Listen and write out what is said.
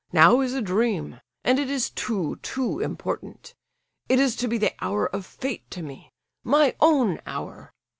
Now is a dream! And it is too, too important! It is to be the hour of Fate to me—my own hour.